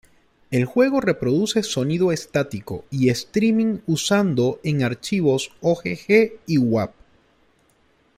El juego reproduce sonido estático y streaming usando en archivos ogg y wav.